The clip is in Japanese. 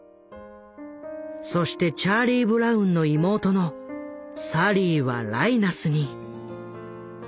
そしてチャーリー・ブラウンの妹のサリーはライナスに。